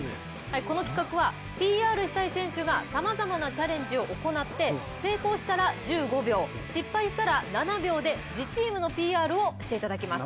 この規格はＰＲしたい選手がさまざまなチャレンジを行って成功したら１５秒、失敗したら７秒で自チームもＰＲをしていただきます。